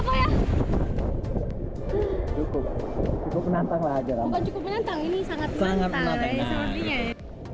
bukan cukup menantang ini sangat menantang